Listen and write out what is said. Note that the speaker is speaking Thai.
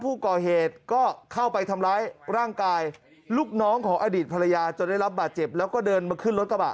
ผู้ก่อเหตุก็เข้าไปทำร้ายร่างกายลูกน้องของอดีตภรรยาจนได้รับบาดเจ็บแล้วก็เดินมาขึ้นรถกระบะ